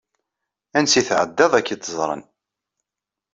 Ansi tɛeddaḍ ad k-id-ẓren.